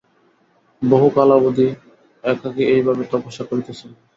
বহুকালাবধি একাকী এই ভাবে তপস্যা করিতেছেন।